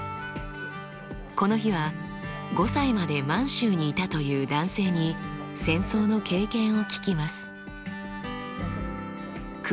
この日は５歳まで満州にいたという男性に戦争の経験を聞きます。